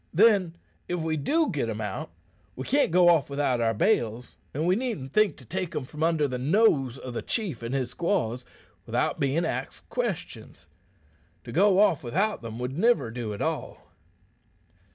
Then, if we do git 'em out, we can't go off without our bales, an' we needn't think to take 'em from under the nose o' the chief and his squaws without bein' axed questions. To go off without them would niver do at all."